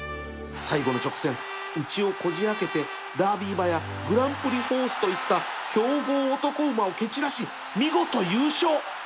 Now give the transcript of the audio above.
最後の直線内をこじ開けてダービー馬やグランプリホースといった強豪男馬を蹴散らし見事優勝